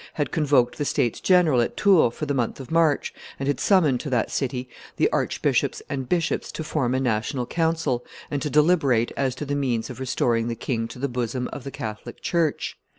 had convoked the states general at Tours for the month of March, and had summoned to that city the archbishops and bishops to form a national council, and to deliberate as to the means of restoring the king to the bosom of the Catholic church.